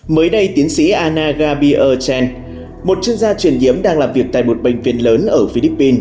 mới đây tiến sĩ anna gabier chen một chuyên gia truyền nhiễm đang làm việc tại một bệnh viện lớn ở philippines